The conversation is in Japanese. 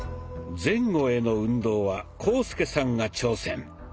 前後への運動は浩介さんが挑戦。